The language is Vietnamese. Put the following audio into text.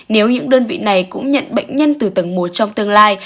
nếu những đơn vị này cũng nhận bệnh nhân từ tầng một trong tương lai